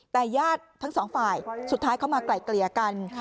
แต่ญาติทั้งสองฝ่ายสุดท้ายเข้ามาไกล่เกลี่ยกัน